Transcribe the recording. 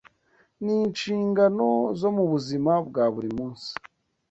n’inshingano zo mu buzima bwa buri munsi,